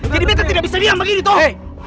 jadi beta tidak bisa diam begini toh